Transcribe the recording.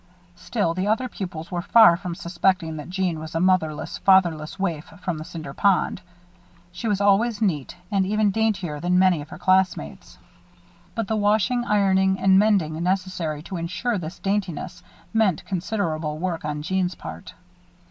Still, the other pupils were far from suspecting that Jeanne was a motherless, fatherless waif from the Cinder Pond. She was always neat; and even daintier than many of her classmates; but the washing, ironing, and mending necessary to insure this daintiness, meant considerable work on Jeanne's part.